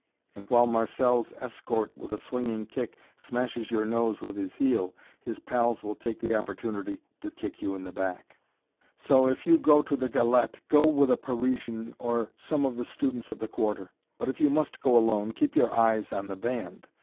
And while Marcelle's escort, with a swinging kick, smashes your nose with his heel, his pals will take the opportunity to kick you in the back. So, if you go to the "Galette," go with a Parisian or some of the students of the Quarter; but if you must go alone keep your eyes on the band.